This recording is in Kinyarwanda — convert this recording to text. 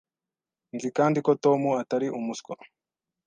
Nzi kandi ko Tom atari umuswa.